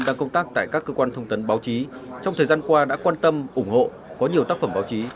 đang công tác tại các cơ quan thông tấn báo chí trong thời gian qua đã quan tâm ủng hộ có nhiều tác phẩm báo chí